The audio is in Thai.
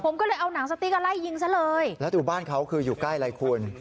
ผมก็เลยเอาหนังสติ๊กก็ไล่ยิงซะเลยแล้วดูบ้านเขาคืออยู่ใกล้อะไรคุณ